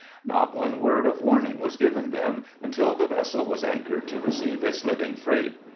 Not one word of warning was given them, until the vessel was anchored to receive its living freight.